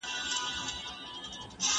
د کمپیوټر ساینس پوهنځۍ بې دلیله نه تړل کیږي.